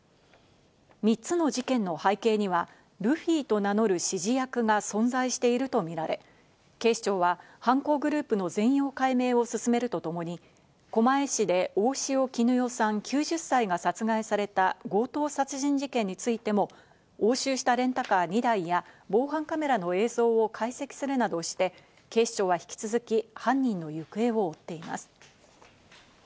３つの事件の背景には、ルフィと名乗る指示役が存在しているとみられ、警視庁は犯行グループの全容解明を進めるとともに狛江市で大塩衣与さん、９０歳が殺害された強盗殺人事件についても、押収したレンタカー２台や防犯カメラの映像を解析するなどして警視庁は引き続き犯人の行方を追っています。